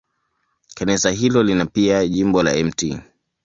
Kanisa hilo lina pia jimbo la Mt.